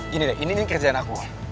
gini deh ini kerjaan aku